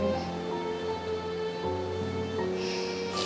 ผมคิดว่าสงสารแกครับ